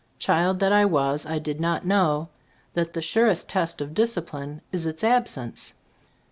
Child that I was, I did not know that the surest test of discipline is its absence.